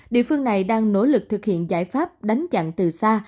địa phương này đang nỗ lực thực hiện giải pháp đánh chặn từ xa